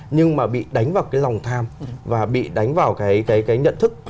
nhưng mà bị đánh vào cái lòng tham và bị đánh vào cái nhận thức